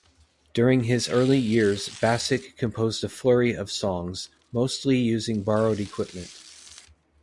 During his early years Bassic composed a flurry of songs, mostly using borrowed equipment.